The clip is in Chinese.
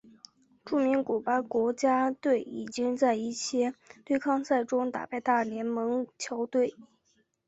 著名古巴国家队已经在一些对抗赛中打败大联盟球队。